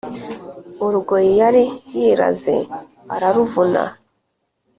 urugori yari yiraze araruvuna